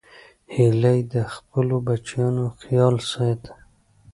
هیلۍ د خپلو بچیانو خیال ساتي